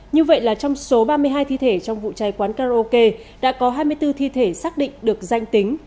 như vậy là trong số ba mươi hai thi thể trong vụ chai quán cá rô kê đã có hai mươi bốn thi thể xác định được danh tính